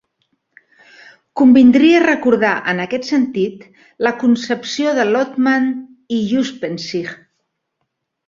Convindria recordar, en aquest sentit, la concepció de Lotman i Uspenskij.